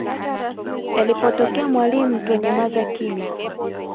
Elipotokea mwalimu twenyamaza kimya